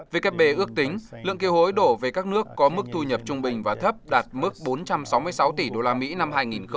vkp ước tính lượng kiều hối đổ về các nước có mức thu nhập trung bình và thấp đạt mức bốn trăm sáu mươi sáu tỷ đô la mỹ năm hai nghìn một mươi bảy